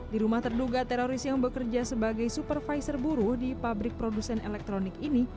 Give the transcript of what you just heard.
di rumah terduga teroris yang bekerja sebagai supervisor buruh di pabrik produsen elektronik ini